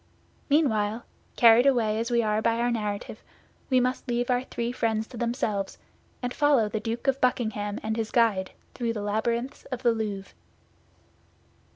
Meanwhile, carried away as we are by our narrative, we must leave our three friends to themselves, and follow the Duke of Buckingham and his guide through the labyrinths of the Louvre.